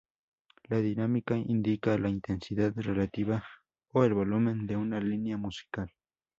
La dinámica indica la intensidad relativa o el volumen de una línea musical.